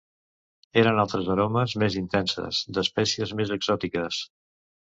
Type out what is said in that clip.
Eren altres aromes més intenses, d'espècies més exòtiques...